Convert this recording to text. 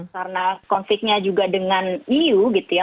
karena konfliknya juga dengan eu gitu ya